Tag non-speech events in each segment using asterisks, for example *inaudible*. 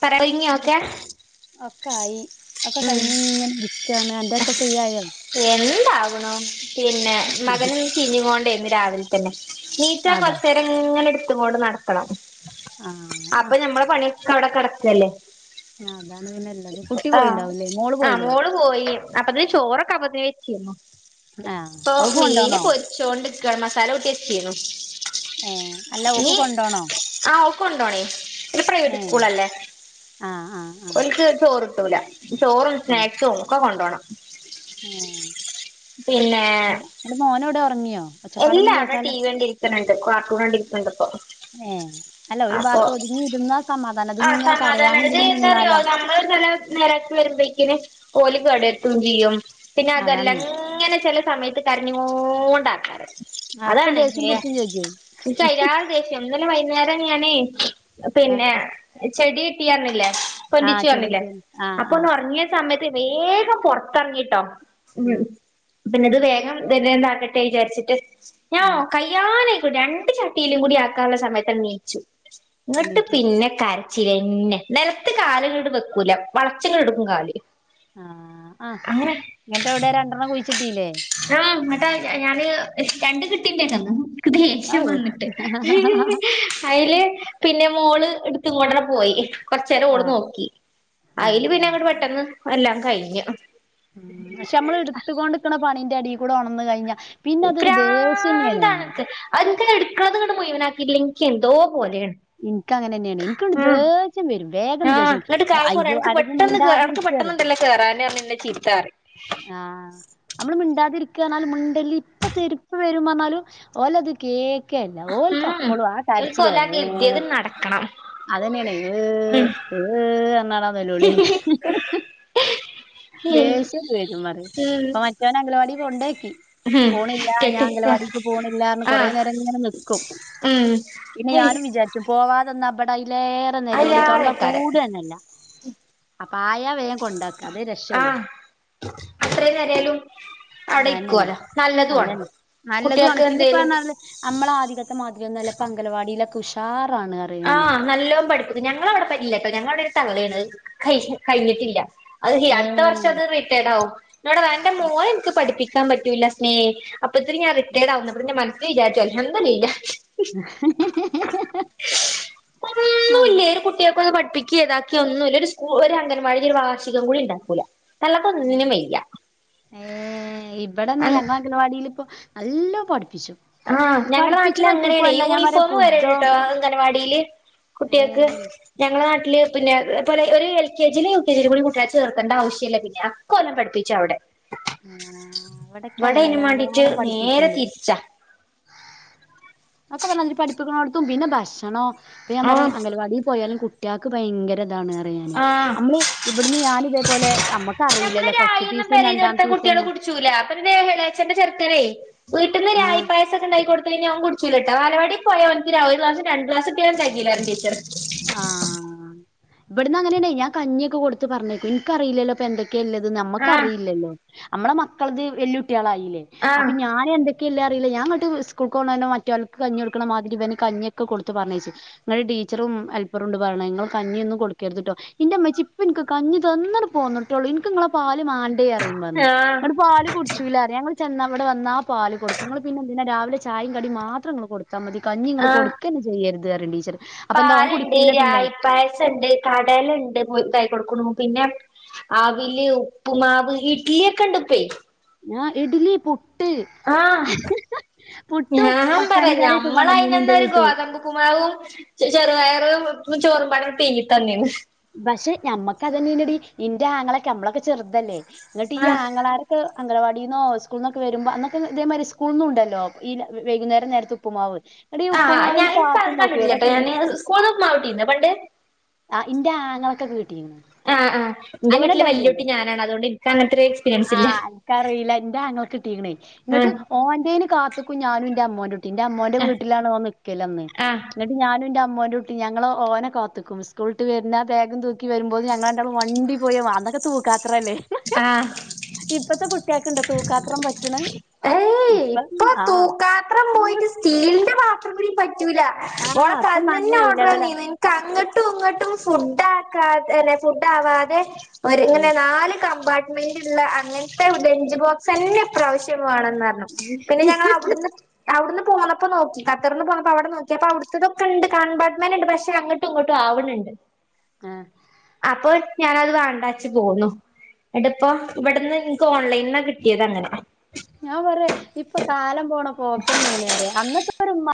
പറ ഒരുങ്ങിയ ഒക്കെ ഓകെ ആയി ഓകെ കഴിഞ്ഞ ഇങ്ങനെ ഇരിക്കാണ് ന്റെക്കെ ഫ്രീ ആയോ എന്താകാണു പിന്നെ മകനും ചിഞ്ഞ കൊണ്ടേ ഇന്ന് രാവിലെ തന്നെ നീച അതാ കൊറച്ച് നേരം ഇങ്ങനെ എടുത്ത കൊണ്ട് നട ണം ആഹ് അപ്പൊ ആഹ് ഞമ്മടെ പണിയൊക്കെ അവിടെ കിടക്കല്ലേ ആ അതാണ് പിന്നെ ഇള്ളത് കുട്ടി ആഹ പോയിണ്ടാവൂലേ ആ പോയില്ലേ മോള് പോയി അപ്പൊതിന് ചോറൊക്കെ അപ്പ വെച്ചിന്നോ ആഹ് ഇപ്പൊ ഓൾക്ക് മീന് കൊണ്ടോണോ പൊരിച്ചോൊണ്ട് ക്ക മസാല ഊട്ടി വചീ നീ ഏ അല്ല ഓക്ക് കൊണ്ടോണോ ആഹ് ഓക്ക് കൊണ്ടോണേ ഇത് പ്രൈവറ്റ് ഏഹ് സ്കൂൾ അല്ലേ ആഹ് ആഹ് ആഹ് ഓൽക്ക് ചോറ്ട്ടൂല ചോറും സ്നാക്സും ഒക്കെ കൊണ്ടോണം ഉം പിന്നെ അൻ്റെ മോനേടെ ഉറങ്ങിയോ എല്ലാ അവിടെ ടി വി കണ്ടിരിക്ക്ണ്‌ണ്ട് കാർട്ടൂണണ്ടിരിക്ക്ണ്ട് ഇപ്പൊ ഏ അല്ല ഒരു അപ്പൊ ഭാത്ത് ഒതുങ്ങിയിരുന്നാ സമാധാനം ത്ങ്ങനെ കരയാനും ഇതില് നിന്നാല നില നേരക്ക വരുമ്പക്കിന് ഓല കടത്തും ചെയ്യും പിന്നെ അതാണേ അതെല്ലാം ഇങ്ങനെ ചില സമയത്ത് കരഞ്ഞോണ്ടാക്കാറ് ആഹ് അപ്പം അതാാണ് ദേഷ്യം ഏ പുടിച്ചും ചെജ്ജേ *unintelligible* ദേശം ഇന്നലെ വൈകുന്നേരം ഞാനേ ആഹ് പിന്നെ ചെടി കിട്ടിർന്നില്ലേ ആഹ് പൊലിച്ച് പറഞ്ഞില്ലേ ചെവിട്ടിയാണ് ആഹ് അപ്പൊ ആഹ് ഒന്ന്റങ്ങിയ സമയത്ത് വേഗം പുൊറത്തിറങ്ങിട്ടോ ഉ ഉം പിന്നെ ഇത് വേഗം വന്നെന്താാക്കട്ടെ വിചാരിച്ചിട്ട് ഞാ ആഹ് കൈ ഞാന് ഇത്ര രണ്ട് ചട്ടിയിലും കൂടി ആക്കാനുള്ള സമയത്ത് ണീച്ചു ഇങ്ങിട്ട് എണീറ്റു പിന്നെ ക ച്ചന്നെ നിലത്ത് കാാല കട് വെക്കൂല വളച്ചങ്ങ എടുക്കും കാല് ആഹ ആഹ് അങ്ങനെ ഇങ്ങട്ട അവിടെ രണ്ടെണ്ണം കുഴിച്ചിട്ടീല്ലേ ആഹ എന്നട്ടാ ഞാന് രണ്ട കിട്ടീന്റെക്കന്ന് ഔ ദേഷ്യം വന്നിട്ട് അതില് പിന്നെ മോള് എ ഇങ്ങോട്ടന പോയി കൊറച്ച നേേരം ഓള് ആഹ് നോക്കി അതില് ആഹ് പിന്നെ അങ്ങോട്ട പെട്ടെന്ന് എല്ലാം കഴിഞ്ഞു *unintelligible* ഉ പക്ഷെ നമ്മള് എടുത്തുകൊണ്ട്ക്കണ പണീന്റെ ഇടിയിൽ കൂടെ ഓണംന്ന് കഴിഞ്ഞാൽ ഭ്രാന്താണ് അതിങ്ങനെ എടുക്കണത് ങ്ങട്ട് മുഴുവനാക്കില്ലെങ്കി എന്തോ പോലെയാണ് ഇനിക്ക അങ്ങനെ തന്നെയാണ് എനികൊരു ആഹ് ദേശ്യം വരും വേഗംണ്ട് ആഹ് ദേശ്യം എന്നിട്ട് പിട്ച്ചും കാക്കു പറയും അയ്യോ അനക്ക് അല്ലെങ്കി പെട്ടെന്ന് കേ അനക്ക് മിണ്ടാതിരിക് പറിം *unintelligible* ആഹ നമ്മള് മിണ്ടാതിരിക്ക പറഞ്ഞാലും മിണ്ടല്ല ഇപ്പ ഇപ്പ തരും പറഞ്ഞാലും ഓലത് കേക്ക് ക്കെയല്ല ഓൽക്ക് ഉം അപ്പളു ആഹ് ഓൽക്ക് കരച്ചില ഓലാകെ എ കരുതിയത് നടക്കണം അതന്നെയാണ് ഏ് ഉം ഏ് എന്നാടാ നിലോളിന്നെ ദേഷ്യം വരും പറി ഉം ഇപ്പൊ മറ്റവനെ അംഗലവാടി കൊണ്ടൊയ് ഉം പോണില്ലാ ഞാൻ കെട്ടി അംഗലവാടിക്ക് പോണില്ലാന്ന് കൊറേ ആഹ് നേരം ഇങ്ങനെ നിക്കും ഉം പിന്നെ ഹയ് ഞാനും വിചാരിച്ചു പോവാതെന്ന ഇമ്പടെ അയ്ലേറെ നെല്ലോളി തൊള്ള അയിലേറെക്കാരം പൂടെന്നല്ല അപ്പ ആയാ വേം കൊണ്ടാക്കാ അതേ രക്ഷള്ളു ആഹ് *unintelligible* അവിടെ അതന്നെയാണ് ഇക്കുവല നല്ലതു ആണ് കുട്ടിയേക്ക് എന്തേലും അമ്മള ആതികത്തെ മാതിരിയൊന്നല്ല പ്പ അംഗലവാടിയിലെക്കെ ഉഷാറാണ് പറയും ഞാനേ ആഹ് നല്ലോം പഠിപ്പിക്കു ഞങ്ങളവിടെ പറ്റില്ലാട്ടൊ ഞങ്ങളവിടെ ഒരു തള്ളയാണത് അഹ് കയിഞ്ഞിട്ടില്ല അതല്ലി ഏ അടുത്ത വർഷം അത് റിറ്റേഡാകും ന്നോടെ വേണ്ട മോള്ള എനിക്ക് പഠിപ്പിക്കാൻ പറ്റൂല്ല സ്നേഹി അപ്പത്തില് ഞാ റിട്ടയേഡറവുംന്ന അപ്പ ഞാ മനസിൽ വിചാരിച്ചു അൽഹംദുലില്ലാഹ് ആഹ് ൻ്റെ കുട്ട്യെക്കൊന്ന് പഠിപ്പിക്കെ താക്കി ഒന്നു ഇല്ല ഒരു സ്കൂ ഒരു അൻഗവാടില് ഒരു വാർഷികം കൂടി ഉണ്ടാക്കൂല്ല തള്ളക്ക് ഒന്നിനും വയ്യ ഏഹ് ഇമ്പടെന്നാ അങ് ഞങ്ങൾ അംഗലവാടിലിപ്പോ നല്ലോ പഠിപ്പിച്ചു ആഹ് ഞങ്ങടെ നാട്ടില പഠിപ്പിച്ചണ ഒറ്റക്കും അങ്ങനെയാണ് അല്ല ഞാൻ പറയാ യൂണിഫോം വരണ്ട് ഫുഡോ കേട്ടോ അംഗൻവാടിയില് ഏ കുട്ട്യേക്ക് ഞങ്ങളെ നാട്ടില് പിന്നെ പോലെ ഒരു എൽ കെ ജി ലു യു കെ ജിലു കൂടി കൂട്ട്യേളെ ചേർക്കേണ്ട ആവശ്യല്ല പിന്നെ കെല്ലം പഠിപ്പിച്ച് അവിടെ ആ ഇവിടൊക്കെ ഇമ്പടെ അങ്ങനെ അയിനു തന്നെ മാണ്ടിട്ട് നല്ലോണം നേരെ തിരിച്ചാ അക്കെ പറഞ്ഞാതിരി പഠിപ്പിക്കണോടത്തു പിന്നെ ഭക്ഷണോ ഇപ്പൊ ഞാ പറയും ആഹ് അംഗൽവാടി പോയാലും കുട്ട്യാൾക്ക് ഭയങ്കര താണ് റ ആഹ് അമ്മള് ഇവിടുന്ന് ഞാന് ഇതേപോലെ നമ്മക്കറീലല്ലോ ഫസ്റ്റ് ഫീസും രണ്ടാ ച്ചൂല പ്പ ൻ്റെ ഇളേച്ചന്റെ ചെർക്കനേ വീട്ടിന്ന് ആഹ് രാഗിപായസൊക്കെ ഉണ്ടായി കൊടുത്ത് കയിഞ്ഞാ ഞാൻ കുടി ചുരട്ട ബാലവാടി പോയാ ഓൻക്ക് ഒരു ക്ലാസു രണ്ട് ക്ലാസു *unintelligible* ടീച്ചറ് ആഹ് ഇവിടന്ന് അങ്ങനെയാണേ ഞാൻ കഞ്ഞിയൊക്കെ കൊടുത്ത് പറഞ്ഞേക്കു ഇൻക്കറീല്ലല്ലപ്പോ എന്തെ ക്കെല്ലത് ആഹ് നമ്മുക്കറിയില്ലല്ലോ അമ്മടെ മക്കളത് വെല്ലുട്ടികളായില്ലേ ആഹ് അപ്പൊ ഞാൻ എന്തൊ ക്കില്ല അറിയില്ല ഞാൻ ഇങ്ങട്ട് സ്കൂൾക്ക് പോന്നെന്നെ മറ്റൾക്ക് കഞ്ഞി കൊടുക്കണ മാതിരി ഇവന് കഞ്ഞി ഒക്കെ കൊടുത്ത് പറഞ്ഞേച്ചു പറഡി ടിച്ചറും ഹെല്പറുണ്ട് പറയണേ നിങ്ങൾ കഞ്ഞിയൊന്നു കൊടുക്കരുത്ട്ടോ ഇന്റെ ഉമ്മച്ചി ഇപ്പനിക്ക് കഞ്ഞി തന്ന് പോന്നട്ട ട്ടോള്ളു ബനിക്ക് ഇങ്ങളെ പാല് മാണ്ടേയ ടൈമന്ന് ആഹ് എട്ട് പാല് കുടിച്ചൂലാറിയു ഞങ്ങൾ ചെന്നവിടെ വന്നാ പാൽ കൊടുക്കും ഇങ്ങൾ പിന്നെ എന്തിനാ രാവിലെ ച- തായും കടി മാത്രം ഇങ്ങൾ കൊടുത്താ മതി കഞ്ഞി ഇങ്ങള് കൊടുക്കെന്നെ ചെയ്യരുത് പറയും ടീച്ചറ് അപ്പൊ എന്താ ഓൻ പാലുണ്ട്, കുടിക്കൂല പിന്നെ രായി പായസം ഉണ്ട് കടലണ്ട് ഇതായി കൊടുക്കുണു പിന്നെ ആവില്, ഉപ്പ് മാവ്, ഇഡ്ലിയൊക്കെ ഉണ്ട്പ്പേ ങ്ങാ ഇഡലി, പുട്ട് ആഹ് പുട്ടും ഞാൻ പറയാ പട്ടാണിക്കറിയൊക്കെ കൊണ്ടന്നീനി ഇന്റെ ഞമ്മളയിനെന്നെരു വീട്ട് ഗോതമ്പ് ഉപ്പുമാവും ച്ചി ചെറുപയറ് ഉപ്പ് ചോറുപാടെ പുഴുങ്ങി തന്നീന്ന്. പക്ഷെ നമ്മക്ക് അതന്നല്ലല്ലടി ഇന്റെ ആങ്ങളക്കെ നമ്മളൊക്കെ ചെറുതല്ലേ ഇങ്ങട്ട് ഈ ആഹ് ആങ്ങളാര് ട്ട് അംഗണവാടിന്നോ സ്കൂള് ന്നോക്കെ വരുമ്പോ അന്നെക്കെ ഇതേമാതിരി സ്കൂളിന്നുണ്ടല്ലോ ഈ വൈ വൈകുന്നേരം നേരത്തെ ഉപ്പുമാവ് എടീ ഉപ്പുമാവിന് കാത്ത്ന്നോക്കിയോ ഇവിടെ സ്കൂളിന്ന് ഉപ്പുമാവ് കിട്ടിനോ പണ്ട്? ആഹ് ഇന്റെ ആങ്ങളൊക്കെ കിട്ടിരുന്നു. അ ആഹ് ഇന്റെ വീട്ടില് വല്യ കുട്ടി ഞാനാണ് അതുകൊണ്ട് ഇനിക്ക് അങ്ങനത്തെര് ആഹ് അനക്കറിയില്ല ഇന്റെ ആങ്ങളക്കിട്ടീക്ക്ണേ ന്നിട്ട് ആഹ് ഓന്റെന് കാത്ത്ക്കും ഞാനും എന്റെ അമ്മിൻ്റെുട്- ഇന്റെ അമ്മോന്റെ ആഹ് വീട്ടിലാണ് ഓനിൽക്കലന്ന് ആഹ് ന്നിട്ട് ഞാനും എന്റെ അമ്മോന്റെ ഞങ്ങള്ഓനെ കാത്തു നിൽക്കും സ്കൂൾട്ട് വരുന്ന ആ ബാഗും തൂക്കി വരുമ്പോ ഞങ്ങൾ രണ്ടാളും മണ്ടി പോയി അ വാ തുക്കാത്രല്ലേ? ആഹ് ഇപ്പത്തെ കുട്ടിയക്കെ ഉണ്ടോ തൂക്കാത്രം പറ്റണ്. ഏയ് ഇപ്പം ഇപ്പൊ ആഹ് തൂക്കാത്രം പോയിട്ട് സ്റ്റീലിന്റെ പാത്രം പിടി പറ്റൂല ഓള ആഹ് *unintelligible* ഇപ്പൊ നല്ല തന്നെ ഹൈ ഓർഡർ *unintelligible* ലെവലാ *unintelligible* അങ്ങോട്ടും ഇങ്ങോട്ടും ഫുഡ് ആക്കാതെ ഫുഡ് ആവാതെ ഉം ഇങ്ങനെ നാല് കമ്പാർട്ട്മെന്റ് ഇള്ളെ അങ്ങനത്തെ ലഞ്ച് ബോക്സ് തന്നെ ഇപ്രാവശ്യം വേണന്ന് പറ് പിന്നെ ഞങ്ങള് അവിടുന്ന് അവിടുന്ന് പോന്നപ്പോ നോക്കി ഖത്തറ്ന്ന് പോന്നപ്പോ അവിടെ നോക്കിപ്പോ അവിടുത്തതൊക്കെ ഇണ്ട് കൺപാർട്ട്മെന്റ്ണ്ട് പക്ഷേ അങ്ങട് അങ്ങോട്ടും ഇങ്ങോട്ടും ആവ്ണിണ്ട്. ങ്ങേ അപ്പോ ഞാനത് വേണ്ടാ വെച്ച് പോന്നു. *unintelligible* ഇപ്പോ ഇവിടുന്ന് നിനിക്ക് ഓൺലെനിന്നാ കിട്ടിയത് അങ്ങനെ. ഞാൻ പറയാ ഇപ്പ കാലം പോണ പോക്കന്നെയാണ്റിയ അന്നത്തെ *unintelligible*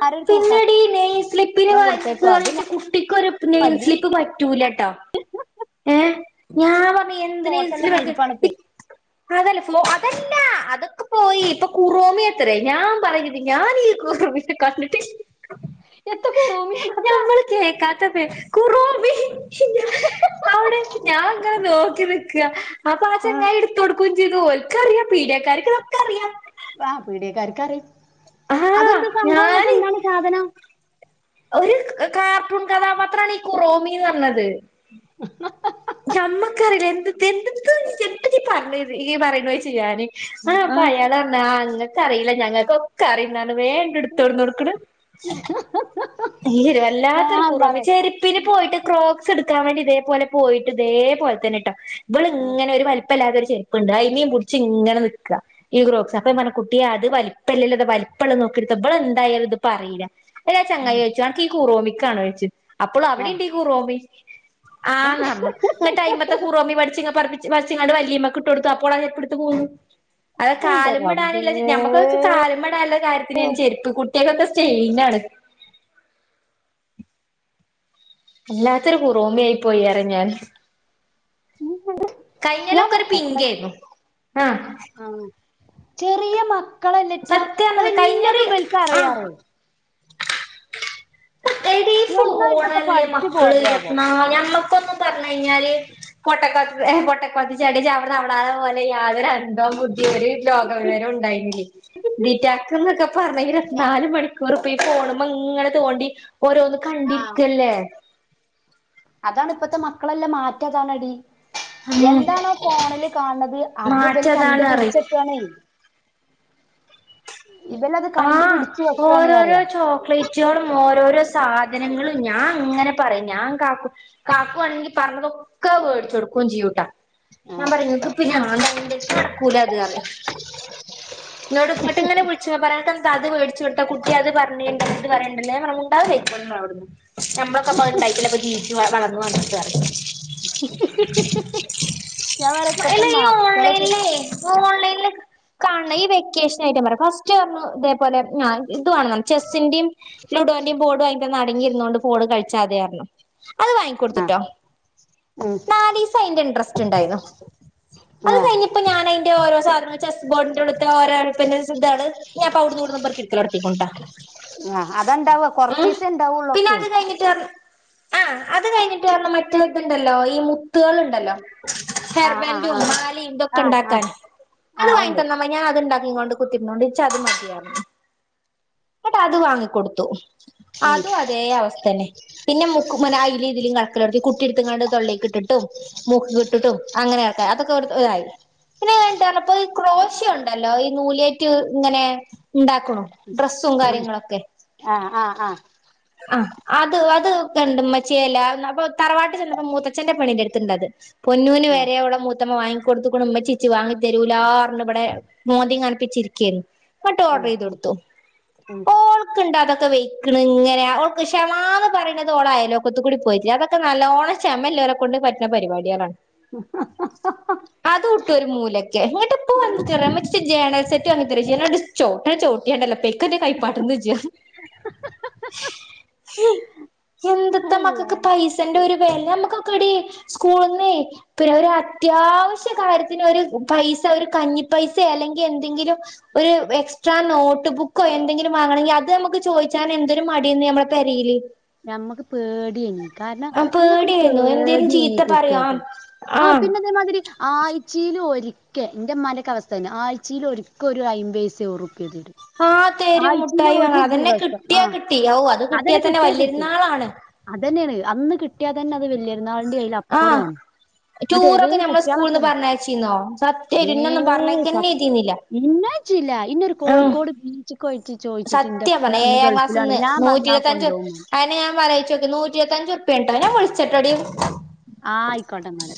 *unintelligible* തൂക്കാ ഈ നെയിൻ സ്ലിപ്പിന് വായിച്ചിട്ട് വന്നിട്ട് കുട്ടിക്കൊരു നെയിൻ സ്ലിപ്പ് പറ്റൂലട്ടോ. ഏഹ് ഞാൻ പറഞ്ഞു എന്തിന ഈ ഫോട്ടോല്ലാം *unintelligible* അതല്ല സ്‌മോ അതല്ല അതൊക്കെ പോയി ഇപ്പ കുറോമിയത്രേ ഞാൻ പറഞ്ഞ് ഞാൻ ഈ കുറോമി ഒക്കെ കണ്ടിട്ട് *unintelligible* കുറോമി *unintelligible* ഞമ്മള് കേക്കാത്ത *unintelligible* കുറോമി. അവിടെ ഞാൻ അങ്ങനെ നോക്കി നിക്ക, അപ്പ ആ ആഹ് ചങ്ങായി എടുത്ത് കൊടുക്കുംയും ചെയ്ത് ഓൽ ക്കറിയാം പീഡിയക്കാർക്ക് ഇതൊക്കെ അറിയാം. ആഹ് പീഡിയക്കാർക്കറിയും, ആഹ് അതെന്ത് സംഭവം എന്നിട്ട് ഞാന് എന്താണ് സാധനം. ഒരു കാർട്ടൂൺ കഥാപത്രാണ് ഈ കുറോമിന്ന് പറഞ്ഞത്. ഉ ഞമ്മക്കറിയില്ല എന്ത്‌ എന്ത്ക്ക് എന്തൊക്കെ ഈ പറഞ്ഞത് ഈ പറയുന്നച്ച ഞാന് ആ അപ്പ അയാളാ പറഞ്ഞേ ആ ഇങ്ങക്ക് അറിയില്ല ഞങ്ങക്ക് ഒ ക്കറിയുന്ന ആണ് വേഗം ഇങ്ങട് എടുത്ത് കൊണ്ട് കൊടുക്കണ്. നീയൊരു വല്ലാത്തൊരു ഞാൻ കുറോമി പറയും ചെരിപ്പിന് പോയിട്ട് ക്രോ ക്സ് എടുക്കാൻ വേണ്ടി ഇതേപല പോയിട്ട് ഇതേപലെ തന്നെട്ടോ ഇവള് ഇങ്ങനെ ഒരു വല് പ്പല്ലാത്തരു ചെരുപ്പുണ്ട് അയിനെയും പുടിച്ച് ഇങ്ങനെ നിക്ക ഈ ക്രോക്സ് അപ്പ *unintelligible* കുട്ടിയെ അ ത് വലിപ്പല്ലല്ലോ ഇത് വലിപ്പള്ള നോക്കി എടുത്തോ ഇവള് എന്തായാലും ഇത് പറയില്ല, *unintelligible* ചങ്ങായി ചോയിച്ച ഈ കുറോമിക്കാണോ ചോയിച്ചു, അപ്പോളും അവിടെ ഇണ്ട് ഈ കുറോമി, ആഹ് ന്ന് പറഞ്ഞു. *unintelligible* ടൈമത്തെ കുറോമി പഠിച്ച് ഇങ്ങ് പറപ്പിച്ച് *unintelligible* ഇങ്ങട് *unintelligible* ഇട്ട് കൊടുത്തു, അപ്പോളത് എടുത്ത് പോന്നു. അത് എന്റെ റബ്ബേ കാല്മ്മടാനുള്ള ഞമ്മക്കൊക്കെ കാലുമ്മടാനുള്ള ഒരു കാര്യ *unintelligible* ചെരുപ്പ് കുട്ടികൾക്കൊക്കെ സ്റ്റേയിന ആണ്. ഇല്ലാത്തോരു കുറോമിയായി പോയി അറിഞ്ഞാൽ. *unintelligible* കഴിഞ്ഞേലൊക്കെ ഒരു പിങ്കേന്നു ആഹ് ചെറിയ മക്കളല്ലറ്റാ സത്യാണത് കഴിഞ്ഞൊരു എല്ലാതും ഇവൽക്കറിയ ആഹ് പറയും. എടി ഈ എവിടുന്നാ ഇതൊക്കെ ഫോണല്ലേ പഠിച്ചു മക്കള് പോരലാവോ *unintelligible* ഞമ്മക്കൊക്കെ പറഞ്ഞ് കഴിഞ്ഞാല് കൊട്ടക്കൊത്ത് എഹ് കൊട്ടക്കൊത്ത് ചാടിയ *unintelligible* അവിടുന്ന് അവിട *unintelligible* പോലെ യാതൊരു അന്തോ കുന്തോ *unintelligible* ലോക വിവരം ഉണ്ടായിരുന്നില്ലേ ഡിറ്റാക്ക്ന്നൊക്കെ പറഞ്ഞ് *unintelligible* ഞാൻ- നാല് മണിക്കൂറ് ഇപ്പ ഈ ഫോണുമ്മേ ഇങ്ങനെ തോണ്ടി ഓരോന്ന് ആ, കണ്ടിരിക്കല്ലേ. അതാണ് ഇപ്പത്തെ മക്കളെല്ലാം മാറ്റതാണടി. ഉം എന്താണോ ഫോണില് കാണണത് അത് ഇബല് കണ്ട് മാറ്റതാണ് പറയും പിടിച്ചെട്ക്കാണേ. ഇബലത് ആഹ് കണ്ടുപിടിച്ചു വെക്കാണ് ഓരോരോ അറിയാം ചോക്ല റ്റ്കളും ഓരോരോ സാധനങ്ങളും ഞാൻ അങ്ങനെ പറയും ഞാൻ കാക്കു കാക്കുവാണെങ്കി പറഞ്ഞതൊക്കെ വേടിച്ച് കൊടുക്കയും ചെയ്യൂട്ടാ. ഞാൻ പറയും ഇങ്ങക്ക് ഇപ്പ ഞാൻ പറയണത് *unintelligible* അത് പറയും. ഉ *unintelligible* ഇങ്ങന വിളിച്ച് *unintelligible* അത് വെടിച്ചു കൊടുത്ത കുട്ടി അത് പറഞ്ഞിണ്ട് *unintelligible* ഞാൻ പറയും മിണ്ടാതെ പൊയ്ക്കോന്ന് അവിടുന്ന്. നമ്മളൊക്കെ ഇപ്പ ഇണ്ടായിട്ടല്ലെ പ്പൊ ജീവിച്ച് വളർന്നു വന്നത് ഞാപറിയേ പത്ത മക്കളക്ക ഓണ്ലൈനില ഈ വെക്കേഷനായിട്ട് ഞാപറയാ ഫാസ്റ്റ് പറഞ്ഞു ഇതേപോലെ ആ ഇത് വേണന്നറിഞ്ഞു ചെസ്സിന്റെമ് ലുഡോന്റിം ബോഡ് വാങ്ങിതന്നാ അടങ്ങിയിരുന്നൊണ്ട് ഫോണ് കളിച്ചാതെർന്നു അത് ആ വാങ്ങിക്കൊടുത്തുട്ടോ ഉം, നാാലിസൈന്റെ ഇൻട്രസ്റ്റ് ണ്ടായിന്നു അത് ആ കഴിഞ്ഞപ്പോ ഞാനയിന്റെ ഓരോ സാധനോ ചെസ് ബോഡിന്റെ ഉള്ള് പ്പ സധാണ് ഞാൻപ്പൊ അവുടുന്ന്വക്ക പോർക്കിട്ക്കലോടങ്ങിക്കട്ടോ. അതണ്ടാവ കൊറച്ചിസം ണ്ടാവൊള്ളൂ ഒക്കേ. *unintelligible* അത് കഴിഞ്ഞിറ്റ് പറഞ്ഞ മറ്റത് ണ്ടല്ലോ ഈമു ത്തുകള ക്കണ്ടല്ലോ ആഹ് ഹെർബാൻഡും ആഹ് മാലിം തൊക്കെ ആഹ് ആഹ് ആഹ് ഉണ്ടാക്കാന് അത് ആഹ് ഉണ്ട് വാങ്ങിതന്ന ഞാൻ അത്ണ്ടാക്കികൊണ്ട് കുത്തിക്കോണ്ട് ഇച്ച അത് മതിയറഞ് ന്നട്ട് അത് വാങ്ങിക്കൊട്ത്തു ഉം അതു അതേ അവസ്ഥേനെ പിന്നെ മു *unintelligible* അയിലുംതിലും കട്ക്കലട്ങ്ങി കുട്ടിടുത്ത്ങ്ങാണ്ട് തൊള്ളിക്ക് ഇട്ടിട്ടും മൂക്ക് ട്ടിട്ടും അങ്ങനൊക്കെ അതൊക്കെ തായി പിന്നെ കയിഞ്ഞപ്പോ ക്രോ *unintelligible* *unintelligible* ഉണ്ടല്ലോ ഈ നൂലിയേറ്റ് ഇങ്ങനെ ഉണ്ടാക്കണ ഡ്രസ്സും ഉം കാര്യങ്ങളൊക്കെ ആഹ് ആഹ് ആഹ് ആ് അത് അത് കണ്ട് മ്മ്ച്യേ അപ്പൊ തറവാട്ട് ചെന്നപ്പോ മൂത്തച്ഛ്ന്റെ പെണ്ണിന്റെ അടുത്ത്ണ്ടത്. പൊന്നുന് ആഹ് വരെഓളെ മൂത്തമ്മ വങ്ങി കൊടുതക്കണമ്മച്ചി വാങ്ങി തരൂല്ലാർ ഞ് വിടെ മോതിം കാനപ്പിച്ചിരിക്കേനി ങ്ങട്ട് ഓർഡർ ഉം ചെയ്ത് ഉം കൊടുത്തു ഉം ഓൾക്ക്ണ്ട അതൊക്കെ വെക്കണ് ങ്ങനെ ഷമന്ന് പറിണത് ഓളായാലക്കത്തുകൂടിപോയില്ല അതൊക്കെ നല്ലോണഷമല്ലോരെ കൊണ്ട് പറ്റ ണ പരിപാടികളാണ് *inaudible* *inaudible* അതുണ്ടോരു മൂലക്കെ നിട്ടിപ്പോ വന്നിട്ടറിയ മ്മച്ചീ ജേണൽ സെറ്റ് വാങ്ങിത്തെരോ ഞാനോ ചോവുട്ട ചോട്ടിയാണ്ടല്ലോ.. ക്കന്റെ കായി പഠന്ന് ഓജ്ജ ഹ്മ് എന്ത്ത മക്കൊക്കെ അല്ലാഹ് പൈസന്റെ ഒരു വേല നമ്മക്കൊക്കടി സ്കൂളന്ന് പ്പേ ഒരു അത്യാവശ്യ കാര്യത്തിന് ഒരു പൈസ ഒരു കഞ്ഞിപ്പൈസെ അല്ലെങ്കി എന്തെങ്കിലും ഒരു എക്സ്ട്രാ നോട്ട് ബുക്കോ എന്തെലും വാങ്ങണങ്കിൽ അതമു ക്ക് ചോദിച്ചാൻ എന്തെങ്കും മടി അയ്നുനമ്മെ പരയില് ഞമ്മക്ക് പേടിയേന്നീ കാരണം അന്നൊക്കെ ഒരു പേടിയായിരുന്നു എന്തേലും ചീത്ത പേടിയന്നീ പറയോ കുട്ടിയൾക്ക് ആഹ ആഹ് പിന്നെ അതേമാതിരി ആഴ്ചൽ ഒരിക്കേ എന്റെ മ്മന്റെ ക്കാവസ്ഥ തന്നെ ആഴ്ചയില ഒരിക്ക ഒരു അയിബൈസ ഒറുപ്പ തരും ആഹ തേര ആഴ്ചയിൽ മുട്ടായി ഞങ്ങ ഒരു അതന്നെ ദിവസം കിട്ടിയാ ആഹ് കിട്ടി ഓ അതന്നേ കിട്ടിയാന്നെ വല്യരുന്നാളാണ് അത് തന്നെണ് അന്ന് കിട്ടിയാ തന്നെ അത് വലിയിരുന്നാളൻറെ അയ്യിൽ അപ്പുറാണ്. ടൂർ ഒക്കെ നമ്മളെ സ്കൂളന്ന് പറഞ്ഞച്ചിന്നോ സത്യന്നഒന്നും പറഞ്ഞക്കന്നെചെയ്തിന്നില്ല. ഇന്ന അയച്ചില്ല ന്നൊരു കോഴിക്കോട് ബീ സത്യ പറഞ്ഞ ഏഴാം ഗൾഫിലാണ് ക്ലാസ്സിന്ന് ഞാൻ വന്നാ നൂറ്റിരത്തഞ്ചൂ കൊണ്ടോവും അതന്നെ ഞാൻ അലയ്ച്ചോക്കെ നൂറ്റിര് ഞാവുള്ച്ചാട്ടോടി ആഹ് ആയിക്കോട്ടെന്നാല്